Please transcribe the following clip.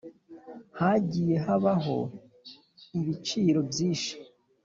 Hagiye habaho ibiciro byishi.